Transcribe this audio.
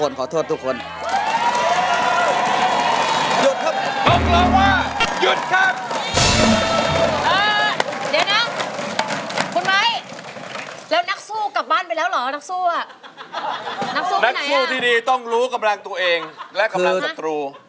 นักสู้ที่ดีต้องรู้กำลังตัวเองและกำลังศัตรู